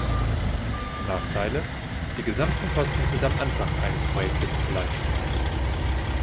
Nachteile: Die gesamten Kosten sind am Anfang eines Projektes zu leisten.